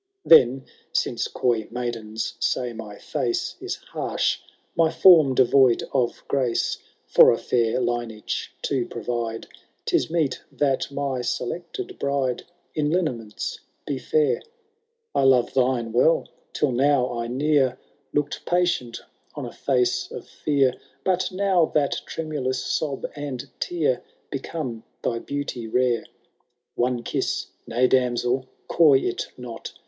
Then, since coy maidens say my face Is harsh, my form devoid of grace. For a &ir lineage to provide, *Tis meet that my selected bride In lineaments be iair ; I love thine welL >tiU now I ne*er Canto II. HAROLD THE DAUNTLBM. J37 LookM patient on a fiice of fear. But now that tremulous sob and tear Become thy beauty rare. One Tn'wB nay, damsel, coy it not